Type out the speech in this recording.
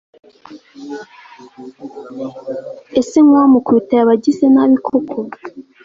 ese nkuwamukubita yaba agize nabi koko